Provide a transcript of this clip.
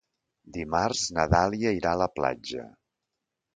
Dimarts na Dàlia irà a la platja.